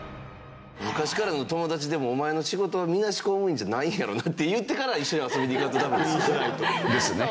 昔からの友達でも「お前の仕事はみなし公務員じゃないんやろな？」って言ってから一緒に遊びに行かんとダメですよね。